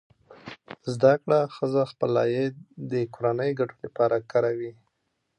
زده کړه ښځه خپل عاید د کورنۍ ګټو لپاره کاروي.